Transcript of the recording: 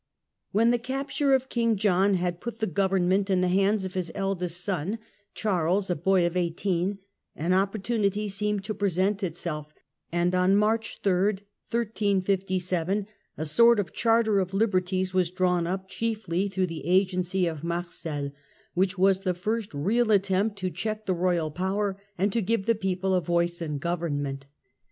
When the capture of King John had put the govern ment in the hands of his eldest son Charles, a boy of Ordinance eighteen, an opportunity seemed to present itself, and March, in 1357 a sort of Charter of Liberties was drawn up, ^^^' chiefly through the agency of Marcel, which was the first real attempt to check the royal power, and to give the people a voice in government.